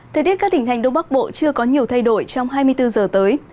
thời tiết các tỉnh hành đông bắc bộ chưa có nhiều thay đổi trong hai mươi bốn giờ tới